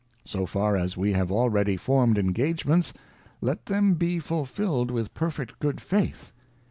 ŌĆö So far as we have already formed engagements let them be fulfilled with perfect good faith.